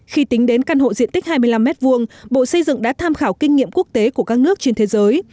khi tính đến căn hộ diện tích hai mươi năm m hai bộ xây dựng đã tham khảo kinh nghiệm quốc tế của các nước trên thế giới